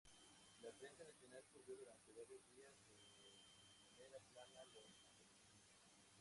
La Prensa nacional cubrió durante varios días, en primera plana, los acontecimientos.